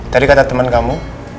tadi kata temen kamu